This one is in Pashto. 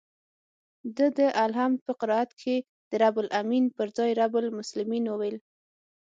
ده د الحمد په قرائت کښې د رب العلمين پر ځاى رب المسلمين وويل.